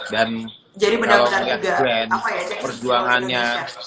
dan kalau melihat glenn perjuangannya